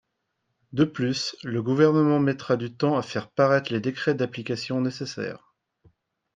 De plus, le Gouvernement mettra du temps à faire paraître les décrets d’application nécessaires.